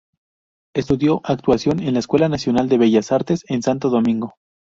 Estudió actuación en la Escuela Nacional de Bellas Artes en Santo Domingo.